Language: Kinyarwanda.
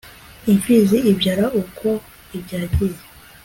imfizi ibyara uko ibyagiye